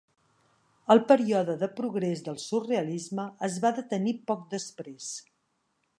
El període de progrés del surrealisme es va detenir poc després